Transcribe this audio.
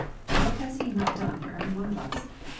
What has he not done for every one of us?